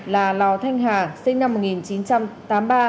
là lò thanh hà sinh năm một nghìn chín trăm tám mươi ba